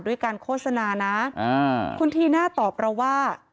ด้วยการโฆษณานะคุณทีน่าตอบเราว่า